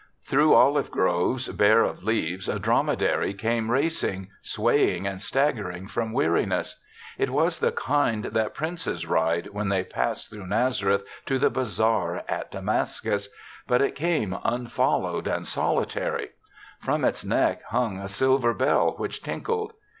Through olive groves, bare of leaves, a dromedary came racing, swaying and staggering from weari ness. It was the kind that princes ride, when they pass through Naza reth to the bazaar at Damascus; but it came unfoUowed and solitary. From its neck hung a silver bell which tinkled.